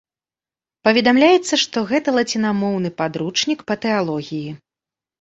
Паведамляецца, што гэта лацінамоўны падручнік па тэалогіі.